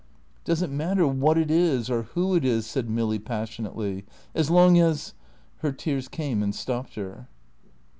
"Does it matter what it is or who it is," said Milly, passionately; "as long as " Her tears came and stopped her.